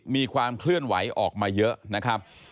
มีความเคลื่อนไหวออกมาเยอะนะครับ